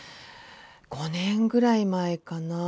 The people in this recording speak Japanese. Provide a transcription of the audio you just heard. ５年ぐらい前かな